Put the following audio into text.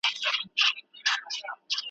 پر لکړه مي وروستی نفس دروړمه .